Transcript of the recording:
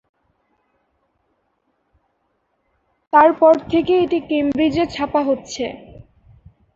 তার পর থেকে এটি কেমব্রিজে ছাপা হচ্ছে।